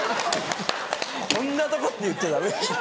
こんなとこって言っちゃダメでしょ。